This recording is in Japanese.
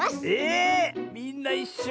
みんないっしょ。